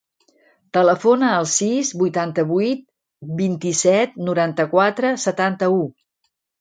Telefona al sis, vuitanta-vuit, vint-i-set, noranta-quatre, setanta-u.